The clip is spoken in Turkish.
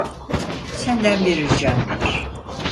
Senden bir ricam var.